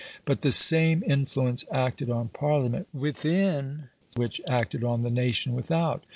But the same influence acted on Parliament within which acted on the nation without.